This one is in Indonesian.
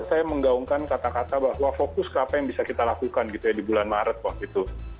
saya menggaungkan kata kata bahwa fokus ke apa yang bisa kita lakukan gitu ya di bulan maret waktu itu